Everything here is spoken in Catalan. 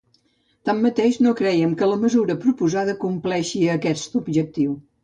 Tanmateix, no creiem que la mesura proposada compleixi aquest objectiu.